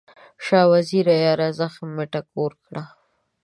شاه وزیره یاره، زخم مې ټکور کړه